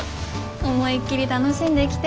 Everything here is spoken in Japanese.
思いっきり楽しんできて。